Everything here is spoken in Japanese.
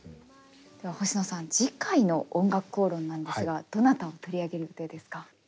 では星野さん次回の「おんがくこうろん」なんですがどなたを取り上げる予定ですか？